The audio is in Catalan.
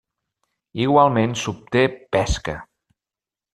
Igualment s'obté pesca.